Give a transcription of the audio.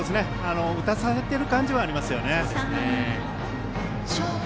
打たされている感じはありますよね。